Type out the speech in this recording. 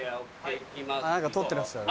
何か撮ってらっしゃる。